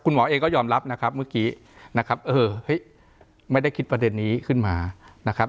คุณหมอเองก็ยอมรับนะครับเมื่อกี้ไม่ได้คิดประเด็นนี้ขึ้นมา